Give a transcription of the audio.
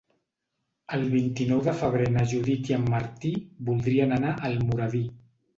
El vint-i-nou de febrer na Judit i en Martí voldrien anar a Almoradí.